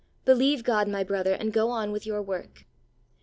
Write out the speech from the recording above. Believe God, my brother, and go on with your work.